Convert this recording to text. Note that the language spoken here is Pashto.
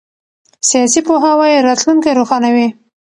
سیاسي پوهاوی راتلونکی روښانوي